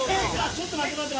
ちょっと待て待て。